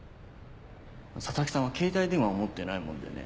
佐々木さんは携帯電話を持ってないもんでね。